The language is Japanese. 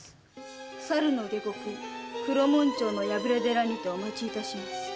申の下刻黒門町の破れ寺にてお待ちいたします。